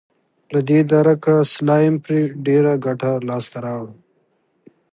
له دې درکه سلایم پرې ډېره ګټه لاسته راوړه.